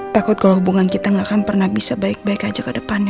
takut kalau hubungan kita gak akan pernah bisa baik baik aja ke depannya